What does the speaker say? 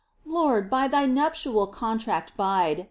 Lord, by Thy nuptial contract bide.